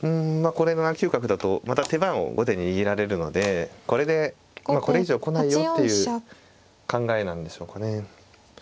ここで７九角だとまた手番を後手に握られるのでこれでこれ以上来ないよっていう考えなんでしょうかね。